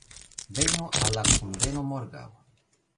Venu al la kunveno, morgaŭ